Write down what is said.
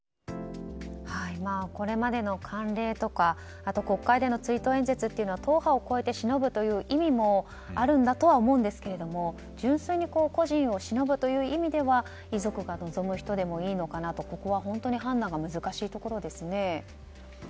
これまでの慣例とか国会での追悼演説というのは党派を超えてしのぶという意味もあるんだとは思うんですけど純粋に故人をしのぶという意味では遺族が望む人でもいいのかなとここは判断が難しいところですね。